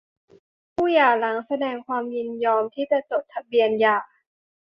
คู่หย่าแสดงความยินยอมที่จะจดทะเบียนหย่า